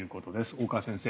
大川先生